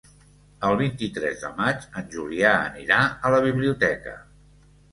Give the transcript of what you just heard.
El vint-i-tres de maig en Julià anirà a la biblioteca.